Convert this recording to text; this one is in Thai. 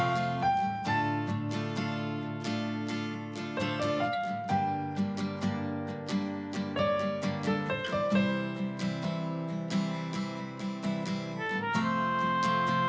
เพลงนี้วัดลการใจ